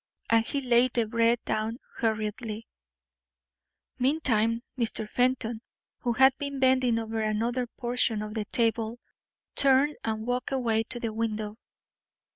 And he laid the bread down hurriedly. Meantime, Mr. Fenton, who had been bending over another portion of the table, turned and walked away to the window.